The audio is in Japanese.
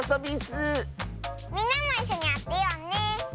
みんなもいっしょにあてようねえ。